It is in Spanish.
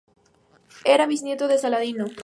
Era bisnieto de Saladino.